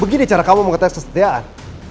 begini cara kamu mengetes kesetiaan